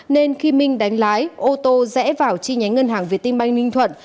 nên khi minh đánh lái ô tô rẽ vào chi nhánh ngân hàng việt tim banh ninh thuận